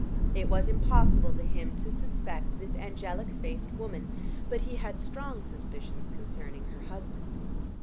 It was impossible to him to suspect this angelic faced woman, but he had strong suspicions concerning her husband.